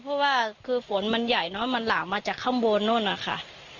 เพราะว่าคือฝนมันใหญ่เนอะมันหลากมาจากข้างบนโน่นนะคะ